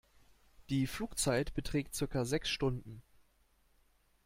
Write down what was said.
Die Flugzeit beträgt circa sechs Stunden.